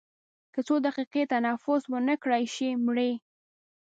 که څو دقیقې تنفس ونه کړای شي مري.